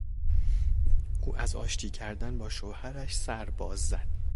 او از آشتی کردن با شوهرش سر باز زد.